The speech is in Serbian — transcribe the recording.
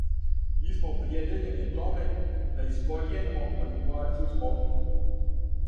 Ми смо опредијељени томе да искоријенимо манипулације у спорту.